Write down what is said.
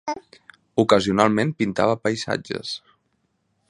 Ocasionalment pintava paisatges.